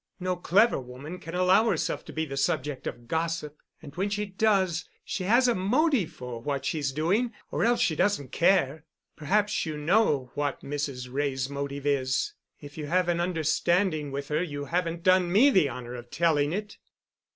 No clever woman can allow herself to be the subject of gossip, and when she does she has a motive for what she's doing or else she doesn't care. Perhaps you know what Mrs. Wray's motive is. If you have an understanding with her you haven't done me the honor of telling it."